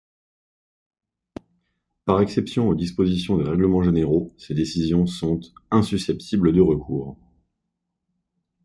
Par exception aux dispositions des Règlements généraux, ces décisions sont insusceptibles de recours.